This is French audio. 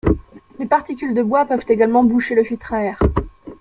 Les particules de bois peuvent également boucher le filtre à air.